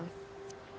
itu besarnya tadi